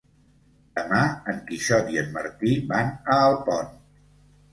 Demà en Quixot i en Martí van a Alpont.